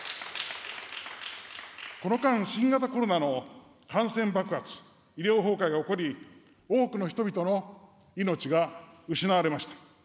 この間、新型コロナの感染爆発、医療崩壊が起こり、多くの人々の命が失われました。